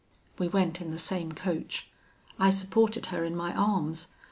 "We went in the same coach. I supported her in my arms.